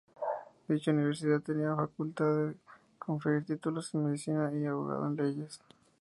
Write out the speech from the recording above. Dicha universidad tenía la facultad de conferir títulos en: Medicina y Abogado en Leyes.